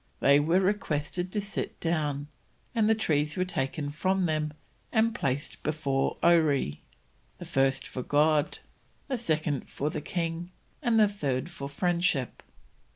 They were requested to sit down, and the trees were taken from them and placed before Oree, the first for God, the second for the king, and the third for Friendship.